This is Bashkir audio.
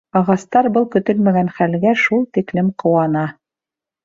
Ағастар был көтөлмәгән хәлгә шул тиклем ҡыуана.